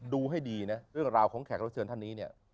ดูให้ดีนะเรื่องราวของแขกรับเชิญท่านนี้เนี่ย